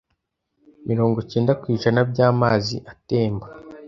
Mirongo cyenda ku ijana byamazi atemba